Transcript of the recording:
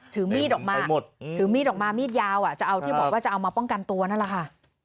ถือมีดออกมาถือมีดออกมามีดยาวจะเอาที่บอกว่าจะเอามาป้องกันตัวนั่นแหละค่ะ